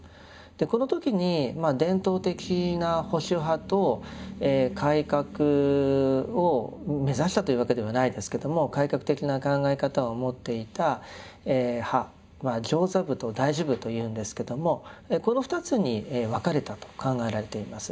この時に伝統的な保守派と改革を目指したというわけではないですけど改革的な考え方を持っていた派上座部と大衆部というんですけどもこの２つに分かれたと考えられています。